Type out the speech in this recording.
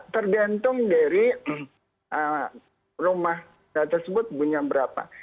tergantung dari rumah tersebut punya berapa